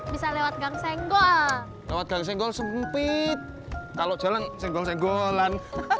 bisa lewat gang senggol senggol sempit kalau jalan sempit sempit